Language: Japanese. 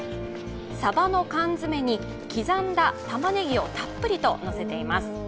サバの缶詰に、刻んだたまねぎをたっぷりとのせています。